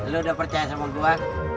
lu udah percaya sama gue